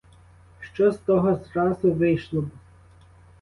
Що з того зразу вийшло б?